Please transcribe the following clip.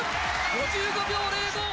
５５秒０５。